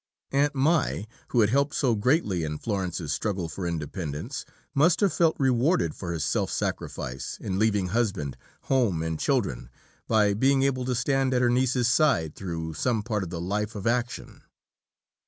"Aunt Mai," who had helped so greatly in Florence's struggle for independence, must have felt rewarded for her self sacrifice in leaving husband, home, and children, by being able to stand at her niece's side through some part of the life of action.